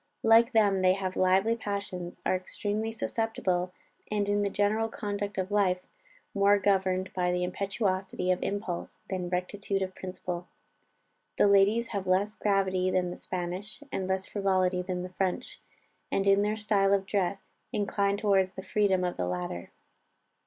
Like them they have lively passions, are extremely susceptible, and in the general conduct of life more governed by the impetuosity of impulse than rectitude of principle. The ladies have less gravity than the Spanish, and less frivolity than the French, and in their style of dress incline towards the freedom of the latter.